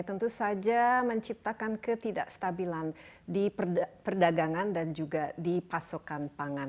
tentu saja menciptakan ketidakstabilan di perdagangan dan juga di pasokan pangan